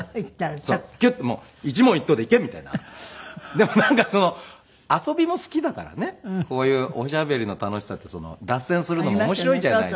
でもなんか遊びも好きだからねこういうおしゃべりの楽しさって脱線するのも面白いじゃないですか。